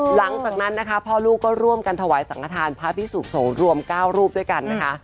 หลังจากนั้นนะคะพ่อลูกก็ร่วมกันถวายสังฆฐานพระพิสุขสงฆ์รวม๙รูปด้วยกันนะคะ